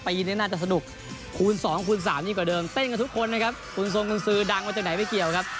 ปีนี้น่าจะสนุกคูณสองคูณสามกว่าเดิมเต้นกับทุกคนนะครับ